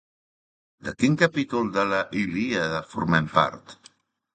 De quin capítol de la Ilíada formen part?